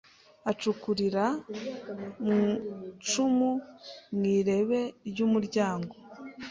acukurira rya cumu mu irebe ry ‘umuryango